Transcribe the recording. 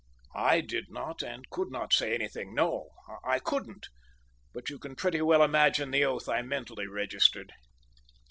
I did not and could not say anything; no, I couldn't; but you can pretty well imagine the oath I mentally registered.